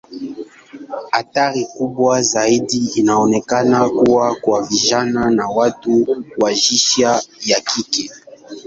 Hatari kubwa zaidi inaonekana kuwa kwa vijana na watu wa jinsia ya kike.